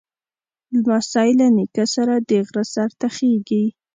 لمسی له نیکه سره د غره سر ته خېږي.